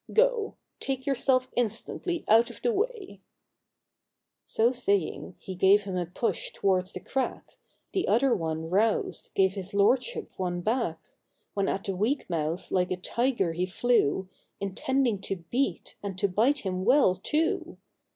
Go! take yourself instantly out of the way!" THE GREEDY MOUSE. 123 So saying, he gave him a push towards the crack ; The other one roused, gave his lordship one hack, When ^at the weak Mouse like a tiger he flew, Intending to heat, and to bite him well, too.